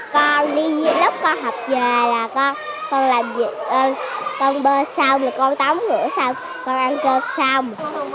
con đi lớp con học về là con bơ xong là con tắm rửa xong con ăn cơm xong